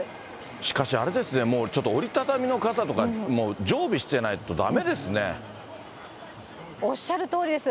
しかしあれですね、ちょっと折り畳みの傘とか、おっしゃるとおりです。